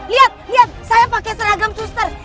liat liat saya pakai seragam suster